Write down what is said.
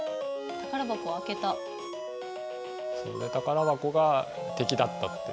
宝箱が敵だったっていう。